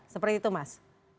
seperti itu mas